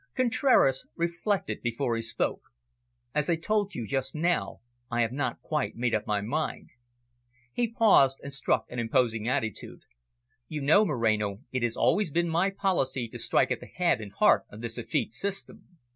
Contraras reflected before he spoke. "As I told you just now, I have not quite made up my mind." He paused, and struck an imposing attitude. "You know, Moreno, it has always been my policy to strike at the head and heart of this effete system.